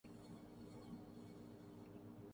Ibrahimovic نے retirement واپس لینے کا عندیہ دیدیا